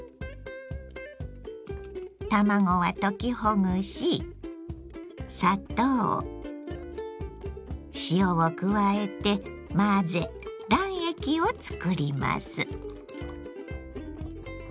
卵は溶きほぐし砂糖塩を加えて混ぜ卵液を作ります。